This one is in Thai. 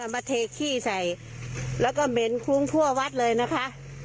เทขี้ใส่แล้วก็เหม็นคลุ้งทั่ววัดเลยนะคะ